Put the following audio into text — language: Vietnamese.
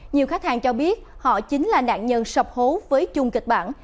nhiều khách hàng cho biết họ chính là nạn nhân sập hố với chung kịch bản